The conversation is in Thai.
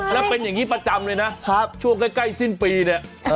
แล้วเป็นอย่างงี้ประจำเลยนะครับช่วงใกล้ใกล้สิ้นปีเนี่ยเออ